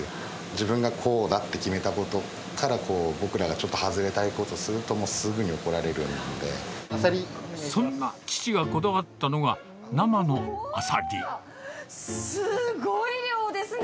自分がこうだって決めたことから僕らがちょっと外れたことすると、そんな父がこだわったのが、すごい量ですね。